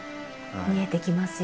見えてきますよ。